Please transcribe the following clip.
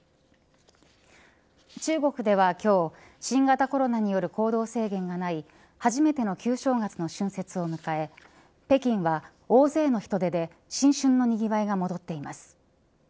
中国では今日新型コロナによる行動制限がない初めての旧正月の春節を迎え北京は大勢の人出で新春のにぎわいが戻っています。